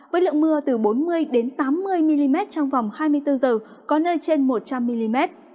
với lượng mưa từ bốn mươi tám mươi mm trong vòng hai mươi bốn h có nơi trên một trăm linh mm